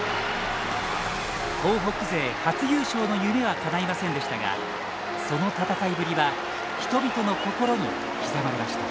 東北勢初優勝の夢はかないませんでしたがその戦いぶりは人々の心に刻まれました。